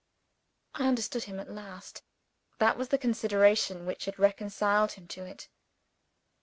I understood him at last. That was the consideration which had reconciled him to it!